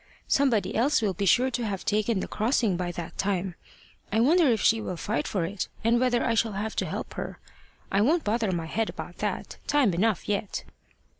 Somebody else will be sure to have taken the crossing by that time. I wonder if she will fight for it, and whether I shall have to help her. I won't bother my head about that. Time enough yet!